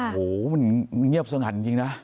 โอ้โหมันเงียบสงั่นจริงนะ